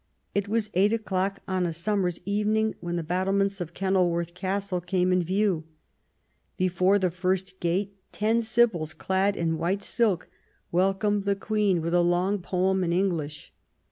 It was eight o'clock on a summer's evening when the battlements of Kenil worth Castle came in view. Before the first gate ten sibyls, clad in white silk, welcomed the Queen with a long poem in English.